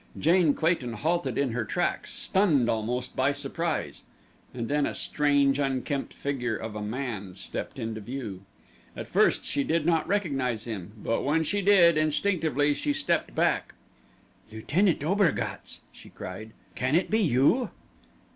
Jane Clayton halted in her tracks stunned, almost, by surprise. And then a strange, unkempt figure of a man stepped into view. At first she did not recognize him, but when she did, instinctively she stepped back. "Lieutenant Obergatz!" she cried. "Can it be you?"